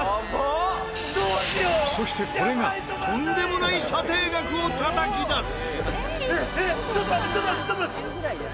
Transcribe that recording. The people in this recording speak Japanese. そしてこれがとんでもない査定額をたたき出す。